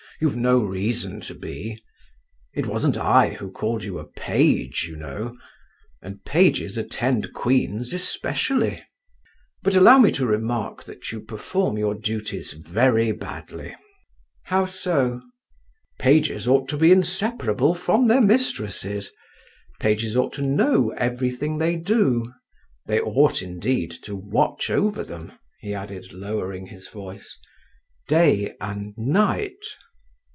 "You've no reason to be. It wasn't I who called you a page, you know, and pages attend queens especially. But allow me to remark that you perform your duties very badly." "How so?" "Pages ought to be inseparable from their mistresses; pages ought to know everything they do, they ought, indeed, to watch over them," he added, lowering his voice, "day and night."